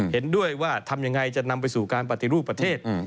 เห็นด้วยว่าทำยังไงจะนำไปสู่การปฏิรูปประเทศ